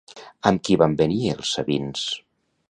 Amb qui van venir els sabins?